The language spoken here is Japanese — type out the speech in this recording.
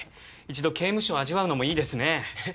一度刑務所味わうのもいいですねへ？